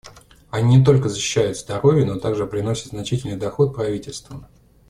Они не только защищают здоровье, но также приносят значительный доход правительствам.